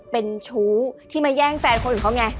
เป็นชู้ที่มาแย่งแฟนคนของเขาไง